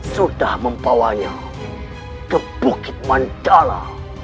sudah membawanya ke bukit mandala